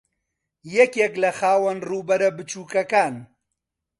یەکێکە لە خاوەن ڕووبەرە بچووکەکان